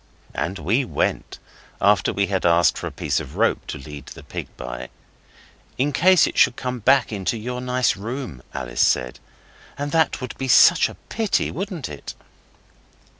And we went, after we had asked for a piece of rope to lead the pig by. 'In case it should come back into your nice room,' Alice said. 'And that would be such a pity, wouldn't it?